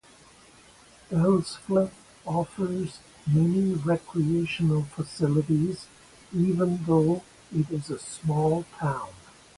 Elsfleth offers many recreational facilities even though it is a small town.